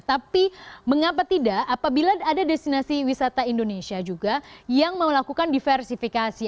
tapi mengapa tidak apabila ada destinasi wisata indonesia juga yang melakukan diversifikasi